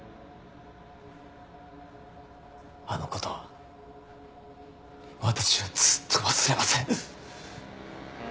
あの事私はずっと忘れません！